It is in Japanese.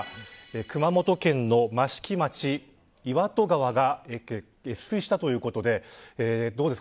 熊本県の益城町岩戸川が越水したということです。